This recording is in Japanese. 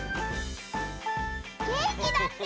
げんきだって！